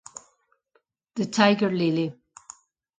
The Tiger Lily